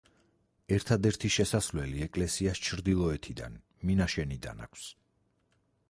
ერთადერთი შესასვლელი ეკლესიას ჩრდილოეთიდან, მინაშენიდან აქვს.